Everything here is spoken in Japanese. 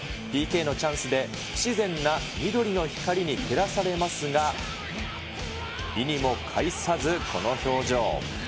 ＰＫのチャンスで、不自然な緑の光に照らされますが、意にも介さずこの表情。